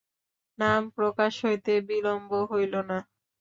নাম প্রকাশ হইতে বিলম্ব হইল না।